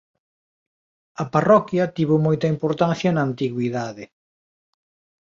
A parroquia tivo moita importancia na antigüidade.